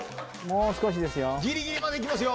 もう少しですよ。